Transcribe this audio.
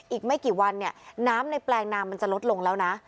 อีกไม่กี่วันเนี่ยน้ำในแปลงนามมันจะลดลงแล้วนะ